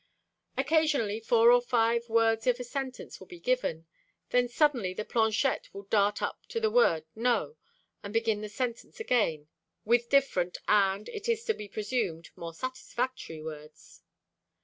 Occasionally four or five words of a sentence will be given, then suddenly the planchette will dart up to the word "No," and begin the sentence again with different and, it is to be presumed, more satisfactory words.